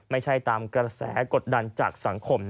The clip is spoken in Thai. ไม่ใช่ตามกระแสกดดันจากสังคม